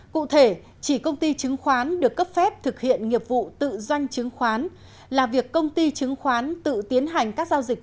cụ thể chỉ công ty chứng khoán được cấp phép thực hiện nghiệp vụ tự doanh chứng khoán là việc công ty chứng khoán tự tiến hành các giao dịch